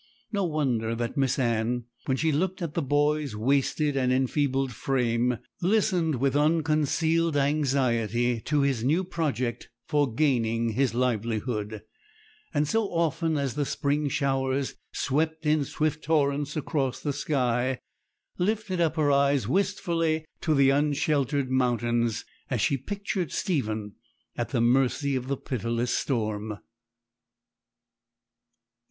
No wonder that Miss Anne, when she looked at the boy's wasted and enfeebled frame, listened with unconcealed anxiety to his new project for gaining his livelihood; and so often as the spring showers swept in swift torrents across the sky, lifted up her eyes wistfully to the unsheltered mountains, as she pictured Stephen at the mercy of the pitiless storm.